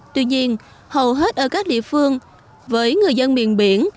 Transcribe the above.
tuy nhiên hầu hết ở các địa phương với người dân miền biển